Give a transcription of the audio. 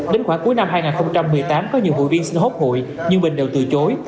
đến khoảng cuối năm hai nghìn một mươi tám có nhiều hủy viên xin hốt hủy nhưng bình đều từ chối